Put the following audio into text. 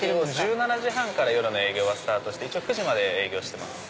１７時半から夜スタートして９時まで営業してます。